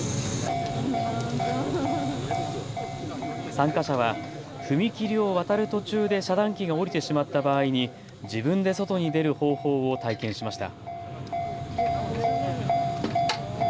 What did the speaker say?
参加者は踏切を渡る途中で遮断機が下りてしまった場合に自分で外に出る方法を体験しました。